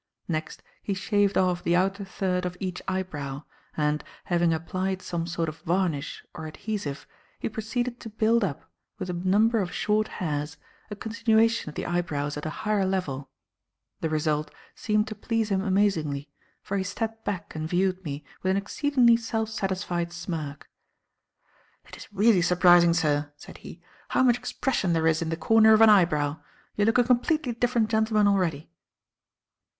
Next he shaved off the outer third of each eyebrow, and, having applied some sort of varnish or adhesive, he proceeded to build up, with a number of short hairs, a continuation of the eyebrows at a higher level. The result seemed to please him amazingly, for he stepped back and viewed me with an exceedingly self satisfied smirk. "It is really surprising, sir," said he, "how much expression there is in the corner of an eyebrow. You look a completely different gentleman already."